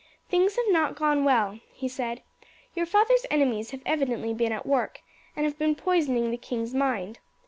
"Things have not gone well," he said. "Your father's enemies have evidently been at work, and have been poisoning the king's mind.